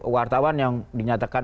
wartawan yang dinyatakan